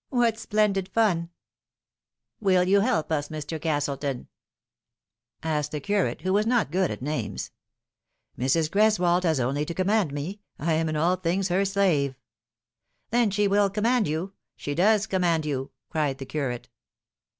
What splendid fun I" " Will you help us, Mr. Castleton ?" asked the curate, who was not good at names. " Mrs. Greswold has only to command me. I am in all things her slave." "Then she will command you she does command you," cried the curate.